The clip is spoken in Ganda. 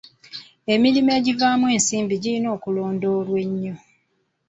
Emirimu egivaamu ensimbi girina okulondoolwa ennyo.